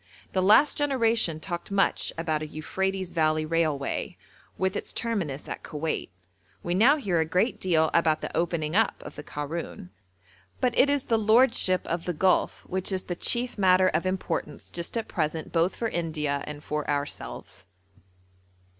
The last generation talked much about a Euphrates Valley Railway, with its terminus at Koweit; we now hear a great deal about the opening up of the Karoun, but it is the lordship of the Gulf which is the chief matter of importance just at present both for India and for ourselves.